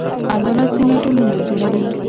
عدالت څنګه ټولنه جوړوي؟